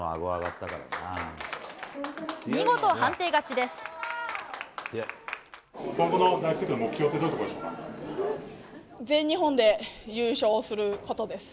見事、判定勝ちです。